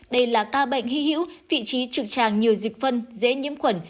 đây là ca bệnh hy hữu vị trí trực tràng nhiều dịch phân dễ nhiễm khuẩn